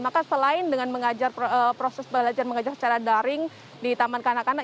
maka selain dengan mengajar proses belajar mengajar secara daring di taman kanak kanak